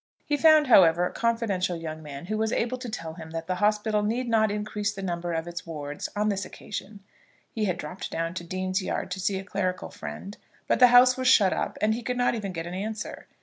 He found, however, a confidential young man who was able to tell him that the hospital need not increase the number of its wards on this occasion. He had dropped down to Dean's Yard to see a clerical friend, but the house was shut up and he could not even get an answer.